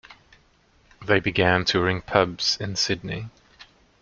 They began touring pubs in Sydney.